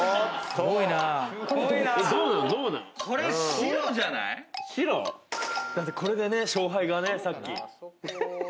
白？だってこれで勝敗がねさっき。